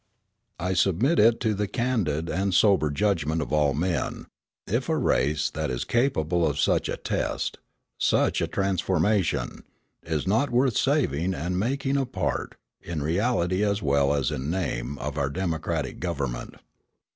I submit it to the candid and sober judgment of all men, if a race that is capable of such a test, such a transformation, is not worth saving and making a part, in reality as well as in name, of our democratic government.